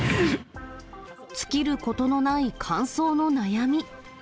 尽きることのない感想の悩み。